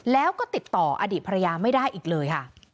แล้วก็ติดต่ออดีตภรรยาไม่ได้อีกเลยค่ะ